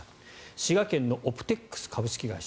滋賀県のオプテックス株式会社。